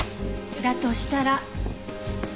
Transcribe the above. だとしたら。